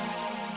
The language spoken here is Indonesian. satu dua tiga